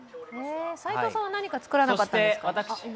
齋藤さんは何か作らなかったんですか？